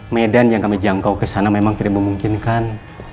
medan yang kami jangkau ke sana memang tidak memungkinkan